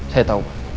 saya tahu pak